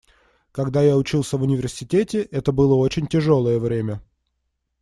Когда я учился в университете, это было очень тяжелое время.